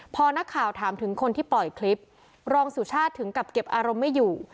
พอนักข่าวถามถึงคนที่ปล่อยคลิปรองสุชาติถึงกับเก็บอารมณ์ไม่อยู่